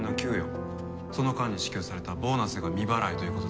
その間に支給されたボーナスが未払いという事ですね。